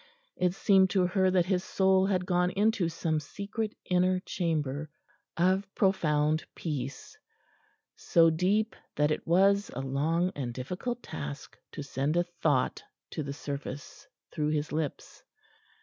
It seemed to her that his soul had gone into some inner secret chamber of profound peace, so deep that it was a long and difficult task to send a thought to the surface through his lips.